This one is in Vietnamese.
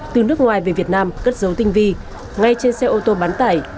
từ nước ngoài về việt nam cất dấu tinh vi ngay trên xe ô tô bán tải